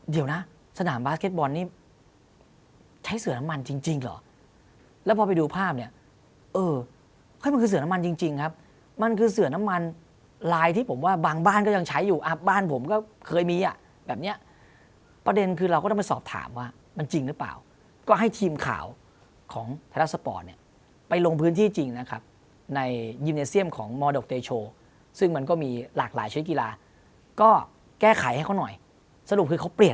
เดี๋ยวนะสนามบาสเก็ตบอลนี่ใช้เสือน้ำมันจริงหรอแล้วพอไปดูภาพเนี่ยเออค่อยมันคือเสือน้ำมันจริงครับมันคือเสือน้ำมันลายที่ผมว่าบางบ้านก็ยังใช้อยู่อ่ะบ้านผมก็เคยมีอ่ะแบบเนี้ยประเด็นคือเราก็ต้องไปสอบถามว่ามันจริงหรือเปล่าก็ให้ทีมข่าวของธรรมดาสปอร์ตเนี่ยไปลงพื้นที่จริ